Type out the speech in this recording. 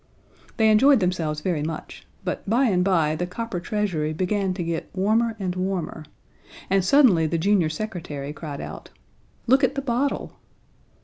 They enjoyed themselves very much, but by and by the copper treasury began to get warmer and warmer, and suddenly the junior secretary cried out, "Look at the bottle!"